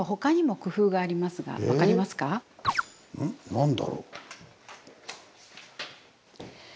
何だろう。